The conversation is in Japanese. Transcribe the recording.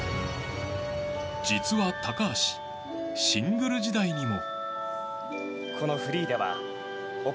実は高橋、シングル時代にも。